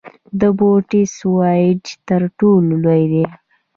د بوټس وایډ تر ټولو لوی دی.